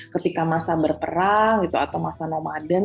ketika masa berperang atau masa nomaden